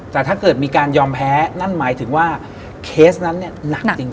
แต่ถ้าเกิดมีการยอมแพ้นั่นหมายถึงว่าเคสนั้นเนี่ยหนักจริง